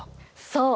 そう。